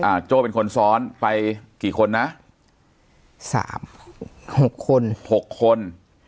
โจ้เป็นคนซ้อนไปกี่คนนะสามหกคนหกคน